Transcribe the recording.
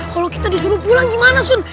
kalau kita disuruh pulang gimana sun